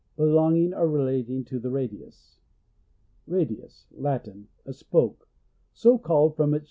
— Belonging or relating to the ratlins. Radius. — Latin. A spoke — so called Sboretion.